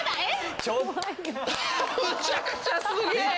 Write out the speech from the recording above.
むちゃくちゃすげぇ！